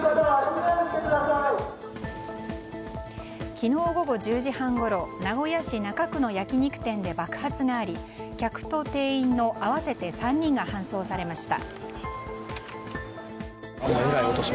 昨日午後１０時半ごろ名古屋市中区の焼き肉店で爆発があり客と店員の合わせて３人が搬送されました。